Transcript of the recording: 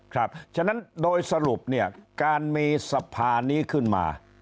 ครับเช่นโดยสรุปเนี้ยการมีสภานี้ขึ้นมา